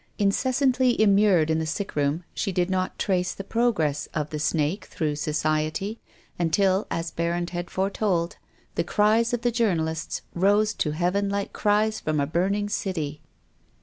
Incessantly immured in the sick room she did not trace the progress of the snake through Society until — as Berrand had foretold — the cries of the Journalists rose to Heaven like cries from a burning city.